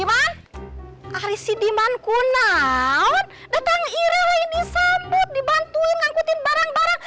ari si diman kunan datang ira lagi disambut dibantuin ngangkutin barang barang